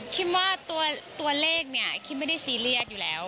คิดว่าตัวเลขเนี่ยคิมไม่ได้ซีเรียสอยู่แล้ว